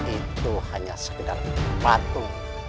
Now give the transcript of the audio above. itu hanya sekedar batu